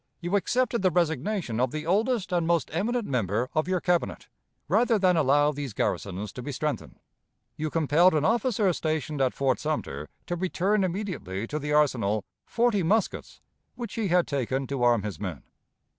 You accepted the resignation of the oldest and most eminent member of your Cabinet, rather than allow these garrisons to be strengthened. You compelled an officer stationed at Fort Sumter to return immediately to the arsenal forty muskets which he had taken to arm his men.